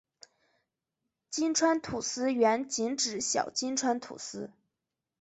金川土司原仅指小金川土司。